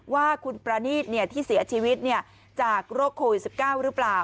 ว่าคุณประนีตที่เสียชีวิตจากโรคโควิด๑๙หรือเปล่า